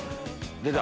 出た！